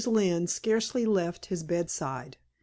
Lynne scarcely left his bedside.